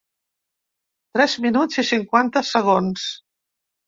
Tres minuts i cinquanta segons.